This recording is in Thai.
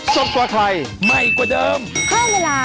สวัสดีค่ะ